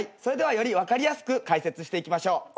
ではより分かりやすく解説していきましょう。